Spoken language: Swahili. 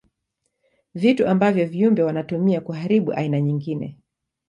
Vitu ambavyo viumbe wanatumia kuharibu aina nyingine.